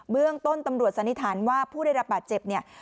เรื่องต้นตำรวจสันนิษฐานว่าผู้ได้รับบาดเจ็บเนี่ย